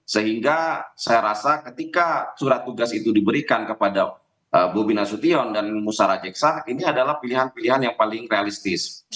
sehingga saya rasa ketika surat tugas itu diberikan kepada bobi nasution dan musara jeksa ini adalah pilihan pilihan yang paling realistis